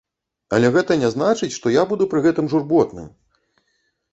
Але гэта не значыць, што я буду пры гэтым журботным!